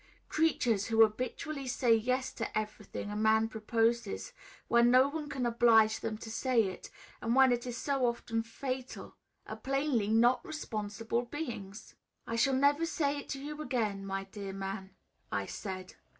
"Creatures who habitually say yes to everything a man proposes, when no one can oblige them to say it, and when it is so often fatal, are plainly not responsible beings." "I shall never say it to you again, my dear man," I said.